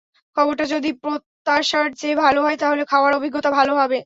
খাবারটা যদি প্রত্যাশার চেয়ে ভালো হয়, তাহলে খাওয়ার অভিজ্ঞতা ভালো হবে।